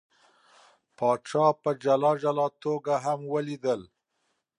پاچا په جلا جلا توګه هم ولیدل.